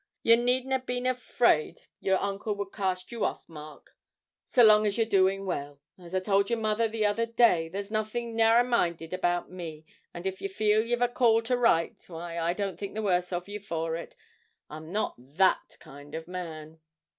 You needn't a' been afraid your uncle would cast you off, Mark so long as you're doing well. As I told your mother the other day, there's nothing narrerminded about me, and if you feel you've a call to write, why, I don't think the worse of you for it. I'm not that kind of man.'